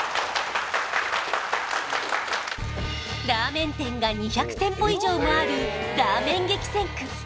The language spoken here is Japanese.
ラーメン店が２００店舗以上もあるラーメン激戦区